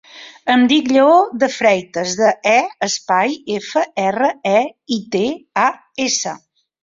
Em dic Lleó De Freitas: de, e, espai, efa, erra, e, i, te, a, essa.